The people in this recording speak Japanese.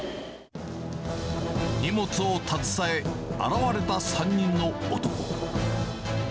荷物を携え、現れた３人の男。